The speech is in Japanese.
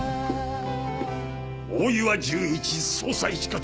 大岩純一捜査一課長